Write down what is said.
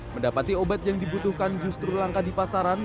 mendapati obat yang dibutuhkan justru langka di pasaran